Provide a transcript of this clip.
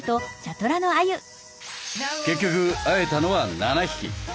結局会えたのは７匹。